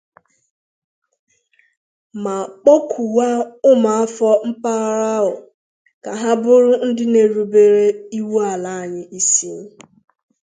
ma kpọkukwa ụmụafọ mpaghara ahụ ka ha bụrụ ndị na-erubere iwu ala anyị isi.